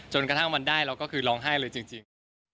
กระทั่งวันได้เราก็คือร้องไห้เลยจริง